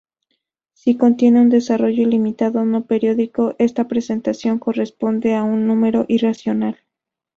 Si contiene un desarrollo ilimitado no periódico, esta representación corresponde a un número irracional.